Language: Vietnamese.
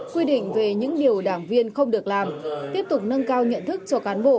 quy định về những điều đảng viên không được làm tiếp tục nâng cao nhận thức cho cán bộ